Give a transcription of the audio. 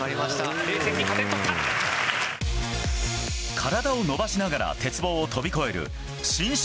体を伸ばしながら鉄棒を飛び越える伸身